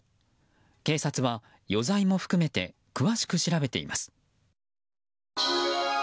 警察は余罪も含めて詳しく調べています。